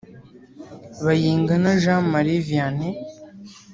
Bayingana Jean Marie Vianey